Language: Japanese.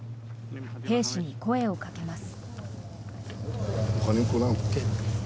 兵士に声をかけます。